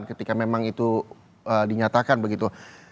ketika memang itu dinyatakan begitu